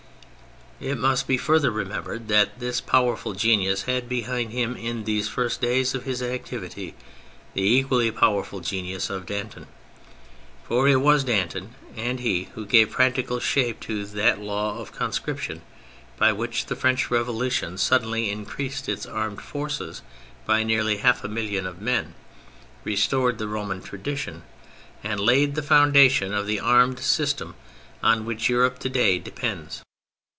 It must be further remembered that this powerful genius had behind him in these first days of his activity the equally powerful genius of Danton; for it was Danton and he who gave practical shape to that law of conscription by which the French Revolution suddenly increased its armed forces by nearly half a million of men, restored the Roman tradition, and laid the foundation of the armed system on which Europe to day depends.